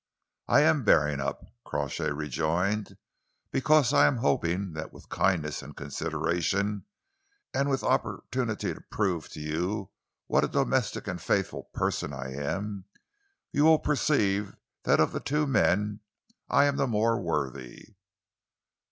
"I am bearing up," Crawshay rejoined, "because I am hoping that with kindness and consideration, and with opportunity to prove to you what a domestic and faithful person I am, you will perceive that of the two men I am the more worthy."